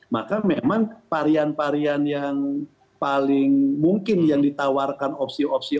maka memang varian varian yang paling mungkin yang ditawarkan opsi opsi